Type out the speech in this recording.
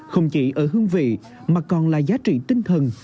không chỉ ở hương vị mà còn là giá trị tinh thần